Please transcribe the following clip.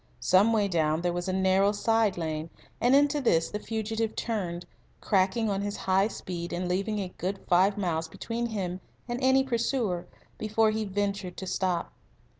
Some way down there was a narrow side lane, and into this the fugitive turned, cracking on his high speed and leaving a good five miles between him and any pursuer before he ventured to stop.